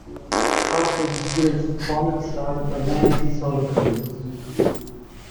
After the split, Bonnet started a lengthy solo career.